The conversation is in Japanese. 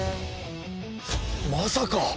まさか！